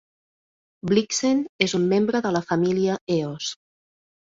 "Blixen" és un membre de la família Eos.